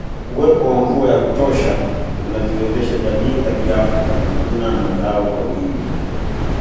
Uwepo wa mvua ya kutosha unaziwezesha jamii za kiafrika kuvuna mazao kwa wingi